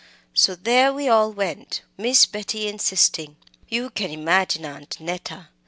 So there we all went, Miss Betty insisting. You can imagine Aunt Neta.